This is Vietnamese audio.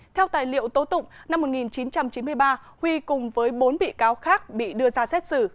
theo tài liệu tố tụng năm một nghìn chín trăm chín mươi ba huy cùng với bốn bị cáo khác bị đưa ra xét xử